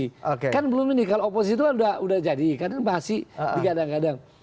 ya kan ini kan diam kan kan belum ini kalau oposisi itu udah udah jadi kadang kadang bahasi digadang gadang